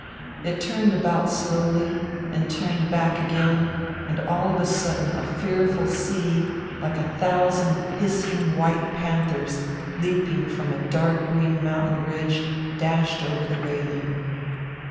It turned about slowly, and turned back again, and all of a sudden a fearful sea, like a thousand hissing white panthers leaping from a dark green mountain ridge, dashed over the railing.